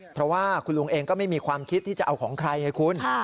เพราะว่าคุณลุงเองก็ไม่มีความคิดที่จะเอาของใครไงคุณ